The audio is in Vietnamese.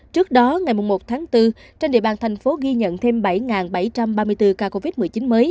trước đó ngày một tháng bốn trên địa bàn thành phố ghi nhận thêm bảy bảy trăm ba mươi bốn ca covid một mươi chín mới